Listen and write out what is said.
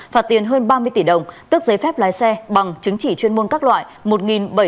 phạt tiền hơn ba mươi tỷ đồng tước giấy phép lái xe bằng chứng chỉ chuyên môn các loại một bảy trăm bảy mươi chín trường hợp